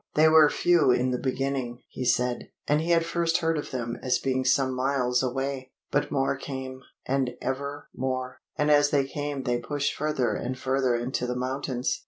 They were few in the beginning, he said, and he had first heard of them as being some miles away. But more came, and ever more; and as they came they pushed further and further into the mountains.